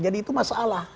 jadi itu masalah